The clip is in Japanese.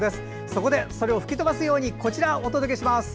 そこでそれを吹き飛ばすようにこちらをお届けします。